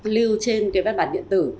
lưu trên cái văn bản điện tử